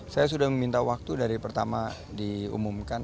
saya sudah meminta waktu dari pertama diumumkan